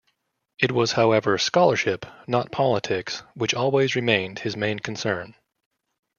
It was, however, scholarship, not politics, which always remained his main concern.